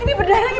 ini berdarah ini